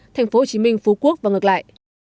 thành phố hồ chí minh phú quốc và ngược lại